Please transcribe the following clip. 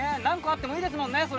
何個あってもいいですもんね